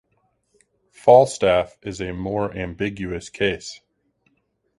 Falstaff is a more ambiguous case.